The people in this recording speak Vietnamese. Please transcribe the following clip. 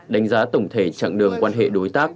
đánh giá tổng thể trạng đường quan hệ đối tác